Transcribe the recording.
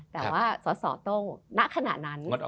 แต่ว่าสอสอต้องณขณะนั้น